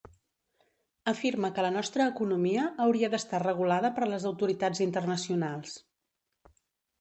Afirma que la nostra economia hauria d'estar regulada per les autoritats internacionals.